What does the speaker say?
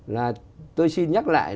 là tôi xin nhắc lại